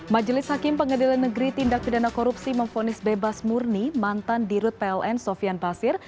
majelis hakim pengadilan negeri tindak pidana korupsi memfonis bebas murni mantan dirut pln sofian basir